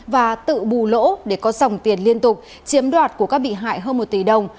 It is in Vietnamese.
và tự bù lỗ để có dòng tiền liên tục chiếm đoạt của các bị hại hơn một tỷ đồng